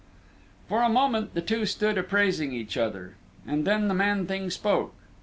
For a moment the two stood appraising each other, and then the man thing spoke.